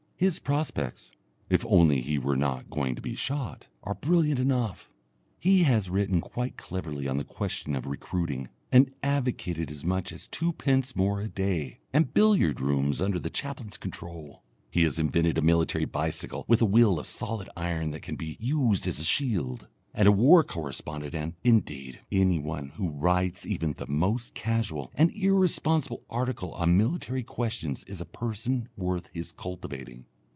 His prospects if only he were not going to be shot are brilliant enough. He has written quite cleverly on the question of Recruiting, and advocated as much as twopence more a day and billiard rooms under the chaplain's control; he has invented a military bicycle with a wheel of solid iron that can be used as a shield; and a war correspondent and, indeed, any one who writes even the most casual and irresponsible article on military questions is a person worth his cultivating.